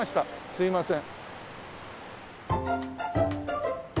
すいません。